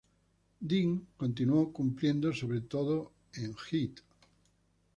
Dean continuó compitiendo sobre todo en "Heat".